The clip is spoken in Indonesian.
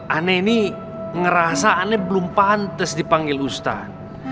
aneh ini ngerasa aneh belum pantes dipanggil ustad